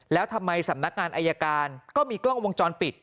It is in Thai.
แล้วทำไมสำนักงานอายการก็มีกล้องวงจรปิด